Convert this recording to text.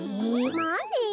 まあね。